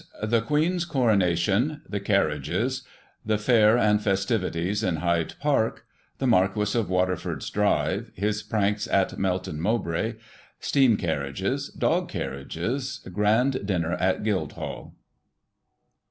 The Queen's Coronation — The Carriages — The fair and festiviti^es in Hyde Park — The Marquis of Waterford's drive — His pranks at Melton Mowbray — Steam carriages — Dog carriages — Grand dinner at Guildhall.